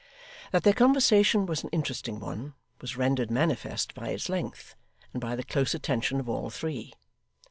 That their conversation was an interesting one, was rendered manifest by its length, and by the close attention of all three.